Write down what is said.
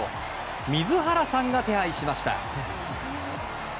水原さんが手配しました。